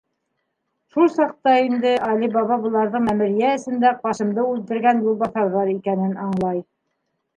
Шул саҡта инде Али Баба быларҙың мәмерйә эсендә Ҡасимды үлтергән юлбаҫарҙар икәнен аңлай.